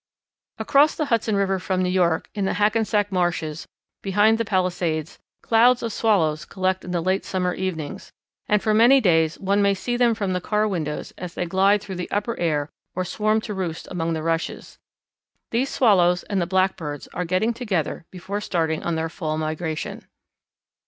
Across the Hudson River from New York, in the Hackensack marshes, behind the Palisades, clouds of Swallows collect in the late summer evenings, and for many days one may see them from the car windows as they glide through the upper air or swarm to roost among the rushes. These Swallows and the Blackbirds are getting together before starting on their fall migration.